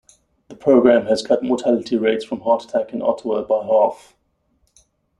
The program has cut mortality rates from heart attack in Ottawa by half.